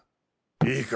いいか！